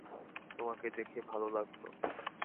তোমাকে দেখে ভালো লাগল।